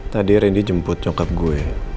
tadi randy jemput coklat gue